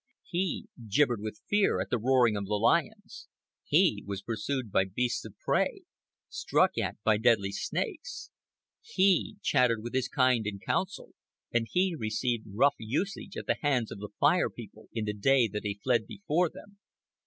He gibbered with fear at the roaring of the lions. He was pursued by beasts of prey, struck at by deadly snakes. He chattered with his kind in council, and he received rough usage at the hands of the Fire People in the day that he fled before them.